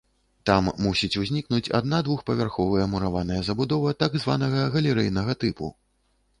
Там мусіць узнікнуць адна-двухпавярховая мураваная забудова так званага галерэйнага тыпу.